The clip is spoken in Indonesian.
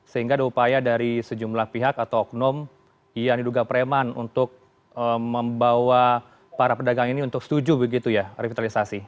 sehingga ada upaya dari sejumlah pihak atau oknum yang diduga preman untuk membawa para pedagang ini untuk setuju begitu ya revitalisasi